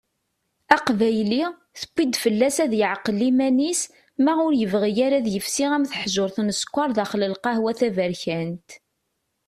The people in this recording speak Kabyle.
Aqbayli, tuwi-d fell-as ad yeɛqel iman-is ma ur yebɣi ara ad yefsi am teḥjurt n ssekker daxel lqahwa taberkant.